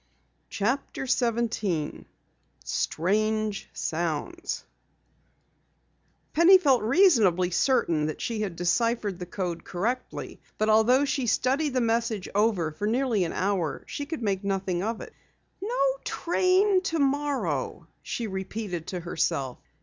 CHAPTER 17 STRANGE SOUNDS Penny felt reasonably certain that she had deciphered the code correctly, but although she studied over the message for nearly an hour, she could make nothing of it. "No train tomorrow," she repeated to herself.